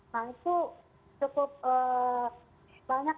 nah itu cukup banyak